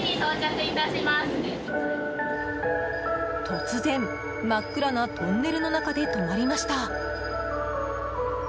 突然、真っ暗なトンネルの中で止まりました。